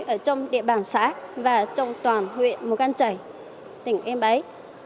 ở trong địa bảng xã và trong toàn huyện mông căng chảy tỉnh em báy